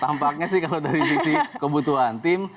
tampaknya sih kalau dari sisi kebutuhan tim